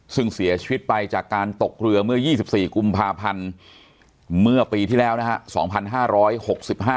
ซึ่งเสียชีวิตไปจากการตกเรือเมื่อ๒๔กุมภาพันธ์เมื่อปีที่แล้วนะฮะ